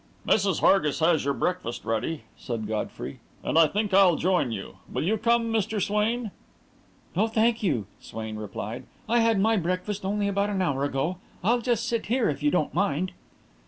"Mrs. Hargis has your breakfast ready," said Godfrey, "and I think I'll join you. Will you come, Mr. Swain?" "No, thank you," Swain replied. "I had my breakfast only about an hour ago. I'll just sit here, if you don't mind."